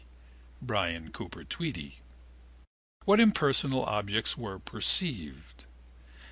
(Brian Cooper Tweedy). What impersonal objects were perceived?